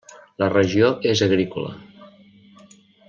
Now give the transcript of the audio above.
La regió és agrícola.